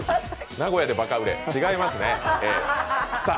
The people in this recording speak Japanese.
名古屋でばか売れ、違いますね。